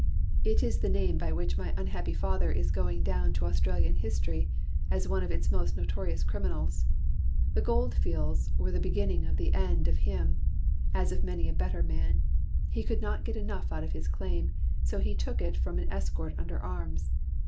"It is the name by which my unhappy father is going down to Australian history as one of its most notorious criminals. The gold fields were the beginning of the end of him, as of many a better man; he could not get enough out of his claim, so he took it from an escort under arms.